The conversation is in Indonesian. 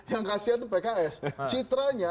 yang kasihan itu pks citranya